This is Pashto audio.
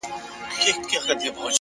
اخلاص د نیک عمل ارزښت ساتي,